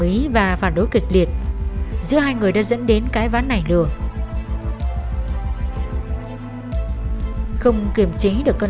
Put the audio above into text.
tình và phản đối kịch liệt giữa hai người đã dẫn đến cái ván này được không kiểm trí được cơn